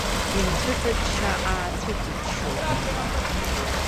Инцәыҵаччааацәыҵаччоит.